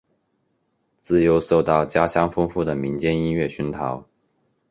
自幼受到家乡丰富的民间音乐熏陶。